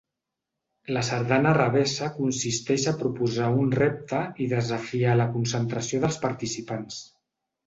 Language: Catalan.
La sardana revessa consisteix a proposar un repte i desafiar la concentració dels participants.